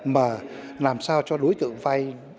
mà làm sao cho đối tượng vay